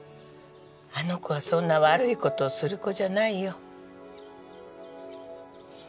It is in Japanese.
あの子はそんな悪いことをする子じゃないよ。